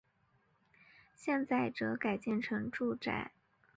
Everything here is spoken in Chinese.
现在则改建成住宅。